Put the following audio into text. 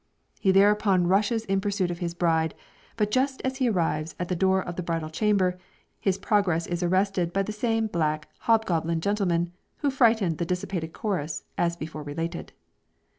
He thereupon rushes in pursuit of his bride, but just as he arrives at the door of the bridal chamber, his progress is arrested by the same black hob goblin gentlemen who frighted the dissipated chorus, as before related.